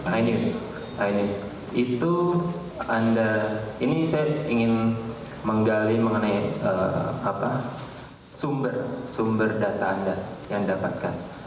ainis itu anda ini saya ingin menggali mengenai sumber data anda yang dapatkan